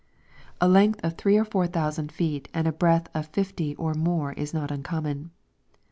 A length of three or four thousand feet and a breadth of fifty feet or more is not uncommon.